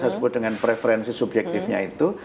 saya sebut dengan preferensi subjektifnya itu